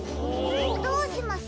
どうします？